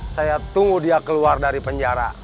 saya tunggu dia keluar dari penjara